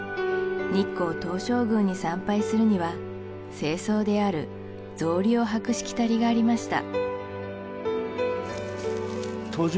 日光東照宮に参拝するには正装である草履を履くしきたりがありました